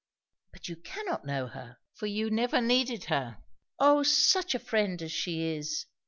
"But you cannot know her, for you never needed her. O such a friend as she is!